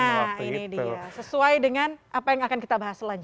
nah ini dia sesuai dengan apa yang akan kita bahas selanjutnya